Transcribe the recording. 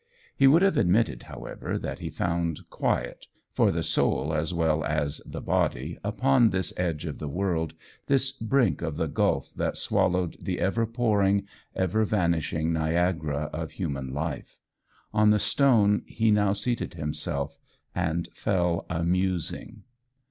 He would have admitted, however, that he found quiet, for the soul as well as the body, upon this edge of the world, this brink of the gulf that swallowed the ever pouring ever vanishing Niagara of human life. On the stone he now seated himself and fell a musing.